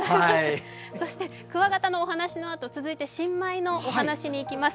クワガタのお話のあと、続いて新米のお話にいきます。